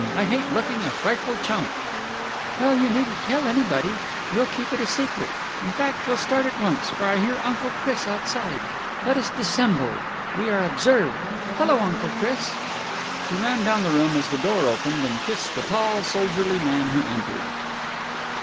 I hate looking a frightful chump." "Well, you needn't tell anybody. We'll keep it a secret. In fact, we'll start at once, for I hear Uncle Chris outside. Let us dissemble. We are observed!... Hullo, Uncle Chris!" She ran down the room, as the door opened, and kissed the tall, soldierly man who entered.